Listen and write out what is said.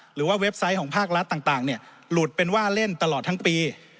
เว็บไซต์ของภาครัฐต่างหลุดเป็นว่าเล่นตลอดทั้งปี